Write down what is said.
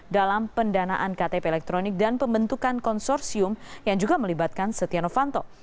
dalam pendanaan ktp elektronik dan pembentukan konsorsium yang juga melibatkan setia novanto